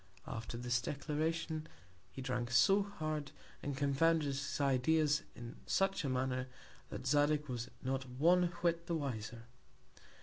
After this Declaration, he drank so hard, and confounded his Ideas in such a Manner, that Zadig was not one whit the wiser.